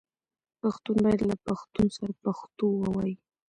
پښتون باید له پښتون سره پښتو ووايي